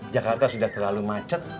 jakarta sudah terlalu macet